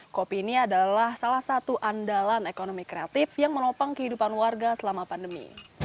kopi ini adalah salah satu andalan ekonomi kreatif yang menopang kehidupan warga selama pandemi